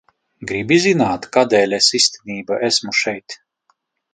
Gribi zināt, kādēļ es īstenībā esmu šeit?